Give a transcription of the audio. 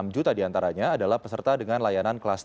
enam juta diantaranya adalah peserta dengan layanan kelas tiga